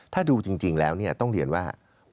ถ้าดูจริงแล้วต้องเรียนว่า